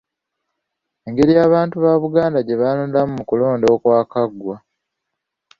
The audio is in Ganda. Engeri abantu ba Buganda gye baalondamu mu kulonda okwakagwa